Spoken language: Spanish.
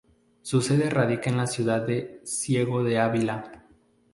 Su sede radica en la ciudad de Ciego de Ávila.